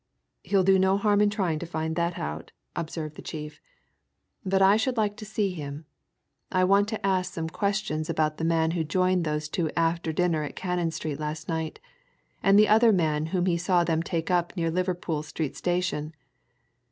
"He'll do no harm in trying to find that out," observed the chief. "But I should like to see him I want to ask some questions about the man who joined those two after dinner at Cannon Street last night, and the other man whom he saw them take up near Liverpool Street Station.